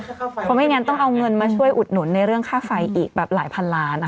เพราะไม่งั้นต้องเอาเงินมาช่วยอุดหนุนในเรื่องค่าไฟอีกแบบหลายพันล้าน